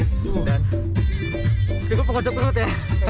dan cukup mengusuk perut ya